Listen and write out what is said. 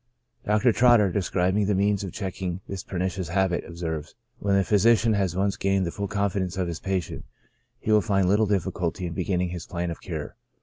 Dr. Trotter, describing the means of checking this pernicious habit, observes, *' When the physician has once gained the full confidence of his patient, he w^ill find little dijfficulty in beginning his plan of cure.